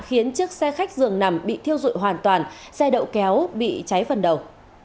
khiến chiếc xe khách dường nằm bị thiêu dụi hoàn toàn xe đậu kéo bị cháy phần đầu